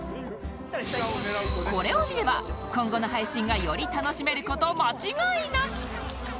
これを見れば今後の配信がより楽しめる事間違いなし！